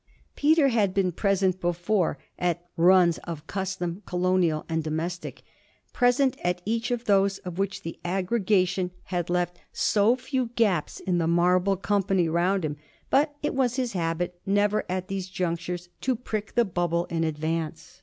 Peter had been present before at runs of custom, colonial and domestic present at each of those of which the aggregation had left so few gaps in the marble company round him; but it was his habit never at these junctures to prick the bubble in advance.